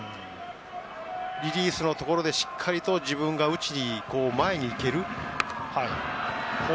リリースのところでしっかりと自分が打ちに前に行ける。